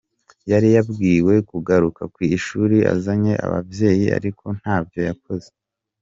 Yari yabwiwe kugaruka kw'ishure azanye abavyeyi ariko ntavyo yakoze.